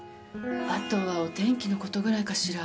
後はお天気の事ぐらいかしら。